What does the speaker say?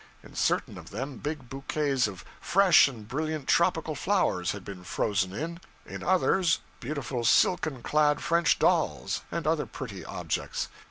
In certain of them, big bouquets of fresh and brilliant tropical flowers had been frozen in; in others, beautiful silken clad French dolls, and other pretty objects.